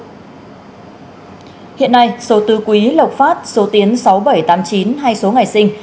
hiện nay số tư quý lộc phát số tiến sáu nghìn bảy trăm tám mươi chín hay số ngày sinh